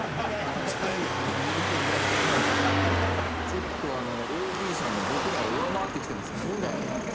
ちょっとＡＤさんが僕らを上回ってきてますねなんかね。